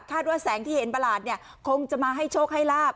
ว่าแสงที่เห็นประหลาดเนี่ยคงจะมาให้โชคให้ลาบ